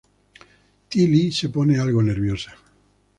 Ty Lee se pone algo nerviosa.